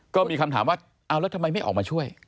ก็มีคำถามว่าเอาแล้วทำไมไม่ออกมาช่วย